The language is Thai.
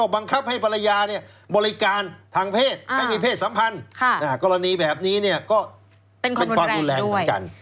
บังคับให้ภรรยาบริการทางเพศให้มีเพศสัมพันธ์กรณีแบบนี้ก็เป็นความรุนแรงเหมือนกัน